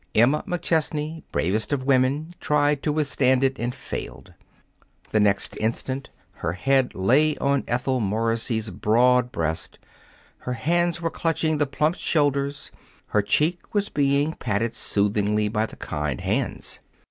Emma McChesney, bravest of women, tried to withstand it, and failed. The next instant her head lay on Ethel Morrissey's broad breast, her hands were clutching the plump shoulders, her cheek was being patted soothingly by the kind hands.